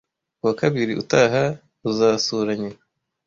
Ku wa kabiri utaha, azasura nyina.